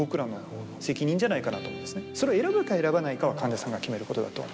それを選ぶか選ばないかは患者さんが決めることだと思う。